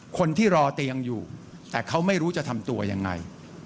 คนที่รอเตียงอยู่แต่เขาไม่รู้จะทำตัวยังไง